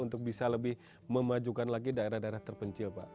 untuk bisa lebih memajukan lagi daerah daerah terpencil pak